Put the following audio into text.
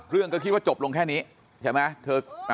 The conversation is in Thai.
เรื่องก็คิดว่าจบลงแค่นี้ใช่ไหม